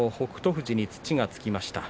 富士に土がつきました。